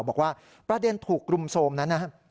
บอกว่าประเด็นถูกรุมโทรมนะนะ